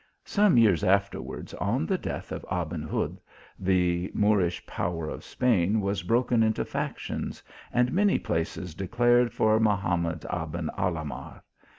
Some years afterwards, on the death of Aben Hud, the Moorish power of Spain was broken into factions, and many places declared for Mahamad Aben Alah mar.